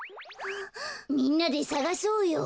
みんなでさがそうよ。